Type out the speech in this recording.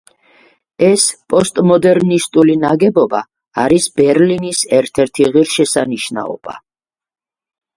ეს პოსტმოდერნისტული ნაგებობა არის ბერლინის ერთ-ერთი ღირსშესანიშნაობა.